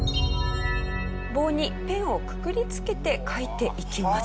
棒にペンをくくりつけて描いていきます。